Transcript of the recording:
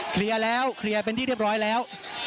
เคลียร์แล้วเป็นที่เรียบร้อยแล้ว